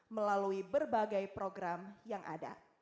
melalui berbagai program yang ada